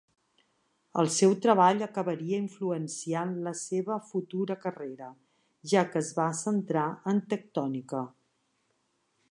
El seu treball acabaria influenciant la seva futura carrera, ja que es va centrar en tectònica.